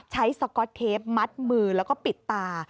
สก๊อตเทปมัดมือแล้วก็ปิดตา